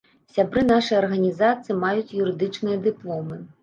Сябры нашай арганізацыі маюць юрыдычныя дыпломы.